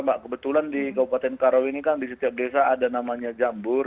mbak kebetulan di kabupaten karawi ini kan di setiap desa ada namanya jambur